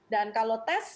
dan kalau tes